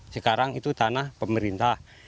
sekarang itu tanah pemerintah